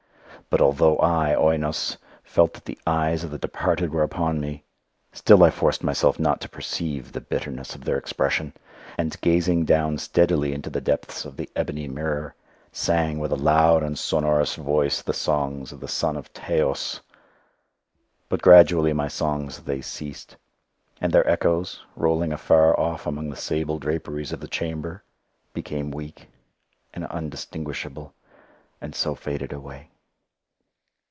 But although I, Oinos, felt that the eyes of the departed were upon me, still I forced myself not to perceive the bitterness of their expression, and gazing down steadily into the depths of the ebony mirror, sang with a loud and sonorous voice the songs of the son of Teos. But gradually my songs they ceased, and their echoes, rolling afar off among the sable draperies of the chamber, became weak, and undistinguishable, and so faded away.